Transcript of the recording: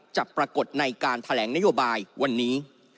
จะปรากฏในการแถลงนโยบายวันนี้